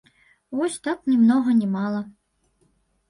Вось так, ні многа, ні мала.